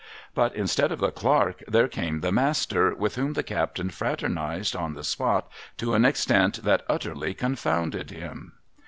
But instead of the clerk there came the master, with whom the captain fraternised on the spot to an extent that utterly confounded him.